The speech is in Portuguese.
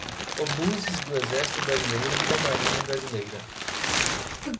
Obuses do exército brasileiro e da marinha brasileira